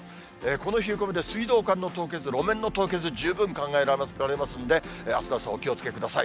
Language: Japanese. この冷え込みで水道管の凍結、路面の凍結、十分考えられますので、あすの朝、お気をつけください。